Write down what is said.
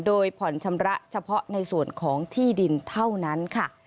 โดยผ่อนชำระเฉพาะในส่วนของที่ดินเท่านั้นค่ะ